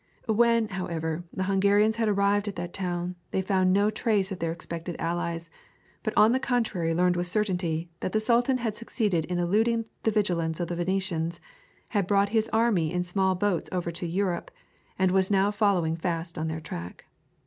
When, however, the Hungarians had arrived at that town, they found no trace of their expected allies, but on the contrary learned with certainty that the Sultan had succeeded in eluding the vigilance of the Venetians, had brought his army in small boats over into Europe, and was now following fast on their track.